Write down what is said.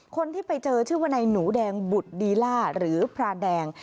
คนที่ไปเจอชื่อวนายหนูแดงบุตรดีล่าหรือพระแดง